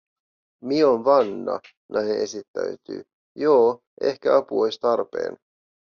“Mie oon Vanna”, nainen esittäytyi, “joo, ehkä apu ois tarpeen”.